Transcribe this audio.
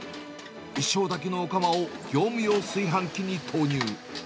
１升炊きのお釜を業務用炊飯器に投入。